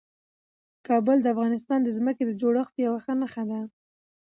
کابل د افغانستان د ځمکې د جوړښت یوه ښه نښه ده.